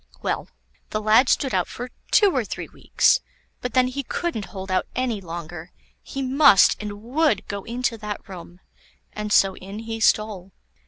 Well, the lad stood out for two or three weeks, but then he couldn't hold out any longer; he must and would go into that room, and so in he stole.